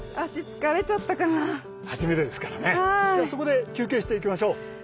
じゃあそこで休憩していきましょう。